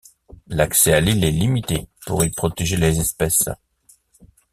L'accès à l'île est limitée pour y protéger les espèces.